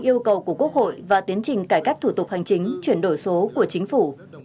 yêu cầu của quốc hội và tiến trình cải cách thủ tục hành chính chuyển đổi số của chính phủ